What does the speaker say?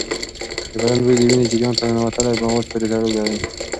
د بدن بوی د وینې جریان ته ننوتلي مواد پورې تړلی دی.